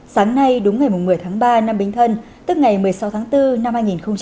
sáng nay đúng ngày một mươi tháng ba năm bình thân tức ngày một mươi sáu tháng bốn năm hai nghìn hai mươi